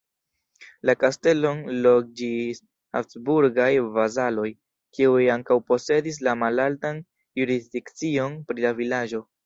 La kastelon loĝis habsburgaj vasaloj, kiuj ankaŭ posedis la malaltan jurisdikcion pri la vilaĝo.